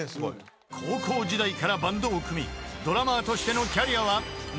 ［高校時代からバンドを組みドラマーとしてのキャリアは７年以上］